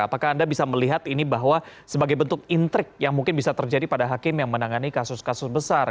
apakah anda bisa melihat ini bahwa sebagai bentuk intrik yang mungkin bisa terjadi pada hakim yang menangani kasus kasus besar